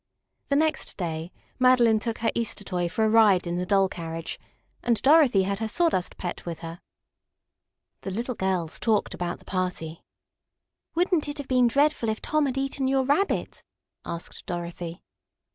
The next day Madeline took her Easter toy for a ride in the doll carriage, and Dorothy had her Sawdust pet with her. The little girls talked about the party. "Wouldn't it have been dreadful if Tom had eaten your Rabbit?" asked Dorothy.